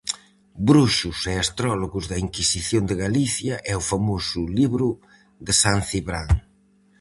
Bruxos e astrólogos da Inquisición de Galicia e o famoso libro de San Cibrán.